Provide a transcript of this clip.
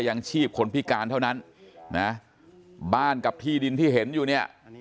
ยังชีพคนพิการเท่านั้นนะบ้านกับที่ดินที่เห็นอยู่เนี่ย